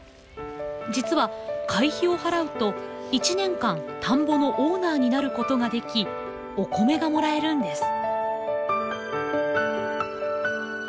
実は会費を払うと１年間田んぼのオーナーになることができお米がもらえるんです。